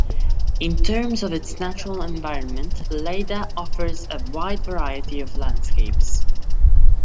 In terms of its natural environment, Lleida offers a wide variety of landscapes.